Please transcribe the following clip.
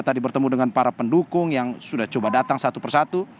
tadi bertemu dengan para pendukung yang sudah coba datang satu persatu